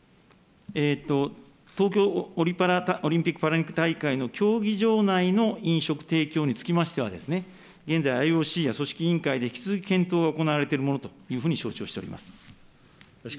東京オリンピック・パラリンピック大会の競技場内の飲食提供につきましては、現在、ＩＯＣや組織委員会で引き続き検討が行われているものというふうに、承知をしております。